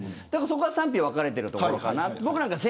そこは賛否分かれているところじゃないかなと。